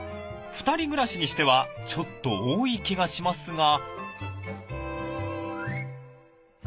２人暮らしにしてはちょっと多い気がしますが。